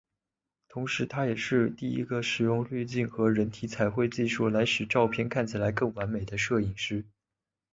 同时他也是第一个使用滤镜与人体彩绘技术来使相片看起来更完美的摄影师。